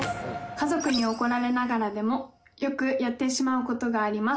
家族に怒られながらでもよくやってしまうことがあります